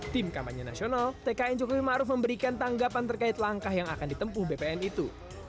tim kampanye nasional tkn coklohimaruf memberikan tanggapan terkait langkah yang akan ditempuh bpn itu